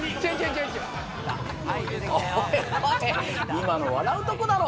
今の笑うとこだろ！